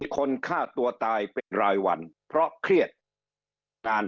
คนฆ่าตัวตายเป็นรายวันเพราะเครียดการ